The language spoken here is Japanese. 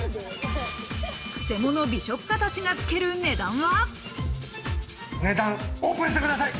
クセモノ美食家たちがつける値段は。